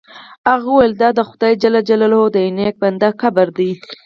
هغه وویل دا د خدای جل جلاله د یو نیک بنده قبر دی.